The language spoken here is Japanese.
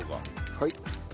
はい。